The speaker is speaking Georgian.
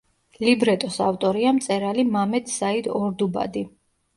ლიბრეტოს ავტორია მწერალი მამედ საიდ ორდუბადი.